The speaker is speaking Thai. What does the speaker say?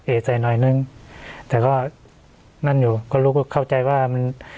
ใส่หน่อยนึงแต่ก็นั่นอยู่ก็รู้ก็เข้าใจว่ามัน